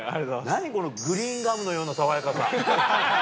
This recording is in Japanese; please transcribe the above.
なにこのグリーンガムのような爽やかさ。